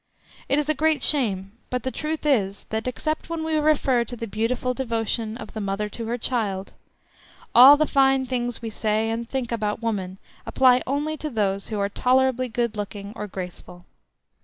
It is a great shame, but the truth is that, except when we refer to the beautiful devotion of the mother to her child, all the fine things we say and think about woman apply only to those who are tolerably good looking or graceful.